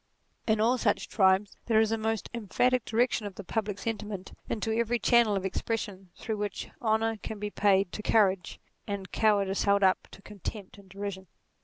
In all such tribes there is a most emphatic direction of the public sentiment into every channel of expression through which honour can be paid to courage and cowardice held up to contempt and de rision.